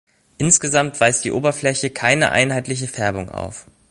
Insgesamt weist die Oberfläche keine einheitliche Färbung auf.